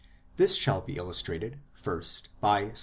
This shall be illustrated first by Ps.